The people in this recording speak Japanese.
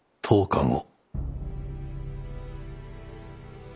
１０日後。